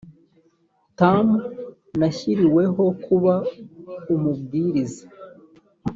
tm nashyiriweho kuba umubwiriza